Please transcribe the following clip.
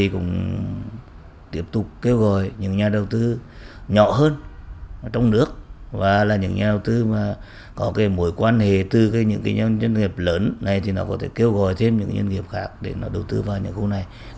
còn doanh nghiệp nào có cái